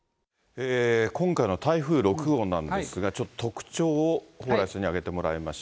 今回の台風６号なんですが、ちょっと特徴を蓬莱さんに挙げてもらいました。